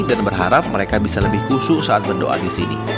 dan berharap mereka bisa lebih kusuh saat berdoa di sini